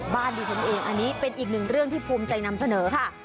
ดิฉันเองอันนี้เป็นอีกหนึ่งเรื่องที่ภูมิใจนำเสนอค่ะ